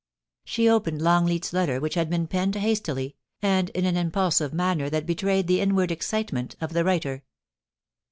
' She opened Longleat's letter which had been penned hastily, and in an impulsive manner that betrayed the inward excitement of the writer.